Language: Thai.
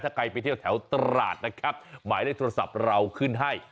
ถ้าใครไปเที่ยวแถวตราดนะครับหมายเลขโทรศัพท์เราขึ้นให้